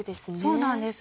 そうなんです。